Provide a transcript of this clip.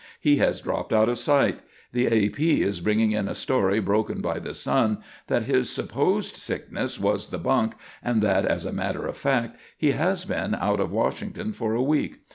He has dropped out of sight; the A. P. is bringing in a story broken by the Sun, that his supposed sickness was the bunk, and that as a matter of fact he has been out of Washington for a week.